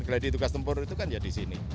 jadi tugas tempur itu kan jadi sini